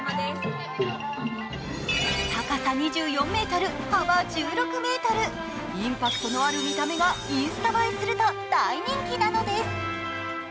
高さ２４ｍ、幅１６ｍ、インパクトのある見た目がインスタ映えすると大人気なんです。